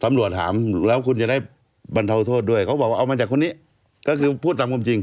ตำรวจถามแล้วคุณจะได้บรรเทาโทษด้วยเขาบอกว่าเอามาจากคนนี้ก็คือพูดตามความจริง